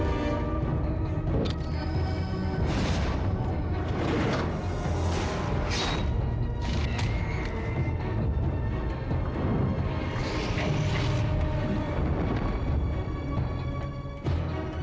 aku pergi ke ningxi karena aku telah menangkap kakang